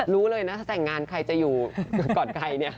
รู้เลยนะถ้าแต่งงานใครจะอยู่ก่อนใครเนี่ย